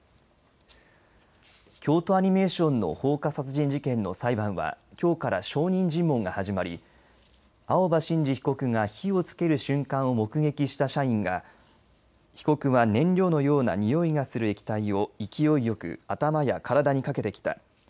京都アニメーションの放火殺人事件の裁判はきょうから証人尋問が始まり青葉真司被告が火をつける瞬間を目撃した社員が被告は燃料のような臭いがする液体を勢いよく頭や体にかけてきた。